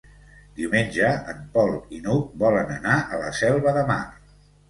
Diumenge en Pol i n'Hug volen anar a la Selva de Mar.